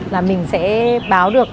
là mình sẽ báo được